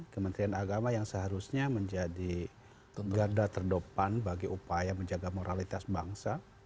kementerian agama yang seharusnya menjadi garda terdepan bagi upaya menjaga moralitas bangsa